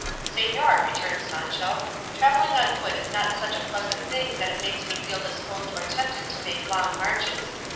"Señor," returned Sancho, "travelling on foot is not such a pleasant thing that it makes me feel disposed or tempted to make long marches.